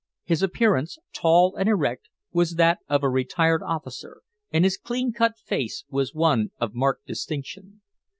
His appearance, tall and erect, was that of a retired officer, and his clean cut face was one of marked distinction.